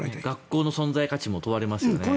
学校の存在価値も問われますね。